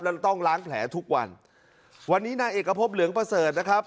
แล้วต้องล้างแผลทุกวันวันนี้นายเอกพบเหลืองประเสริฐนะครับ